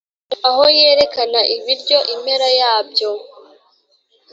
aho yerekana ibiryo impera yabyo